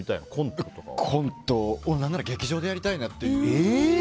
コントを何なら劇場でやりたいなっていう。